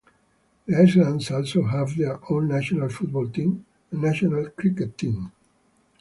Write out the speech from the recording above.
The islands also have their own national football team and national cricket team.